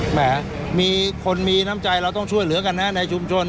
แหมมีคนมีน้ำใจเราต้องช่วยเหลือกันนะในชุมชน